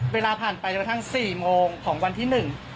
เวลาผ่านไปจนกระทั่งสี่โมงของวันที่หนึ่ง